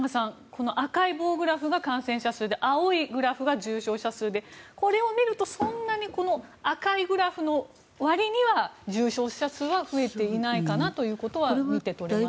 この赤い棒グラフが感染者数で青いグラフが重症者数でこれを見るとそんなに赤いグラフのわりには重症者数は増えていないかなということは見て取れますね。